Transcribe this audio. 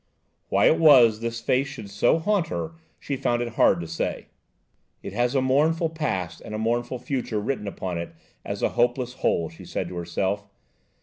Why it was this face should so haunt her, she found it hard to say. "It has a mournful past and a mournful future written upon it as a hopeless whole," she said to herself.